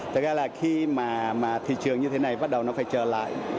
thực ra là khi mà thị trường như thế này bắt đầu nó phải trở lại